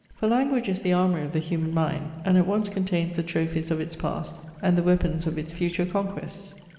For language is the armoury of the human mind; and at once contains the trophies of its past, and the weapons of its future conquests.